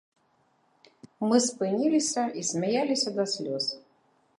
Мы спыніліся і смяяліся да слёз.